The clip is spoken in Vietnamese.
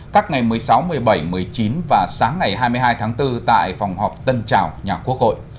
các ngày một mươi sáu một mươi bảy một mươi chín và sáng ngày hai mươi hai tháng bốn tại phòng họp tân trào nhà quốc hội